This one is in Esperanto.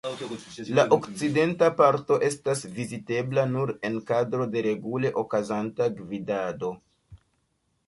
La okcidenta parto etas vizitebla nur en kadro de regule okazanta gvidado.